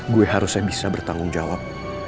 gue harusnya bisa bertanggung jawab